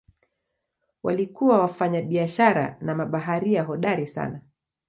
Walikuwa wafanyabiashara na mabaharia hodari sana.